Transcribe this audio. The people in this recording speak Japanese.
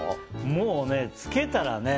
もうねつけたらね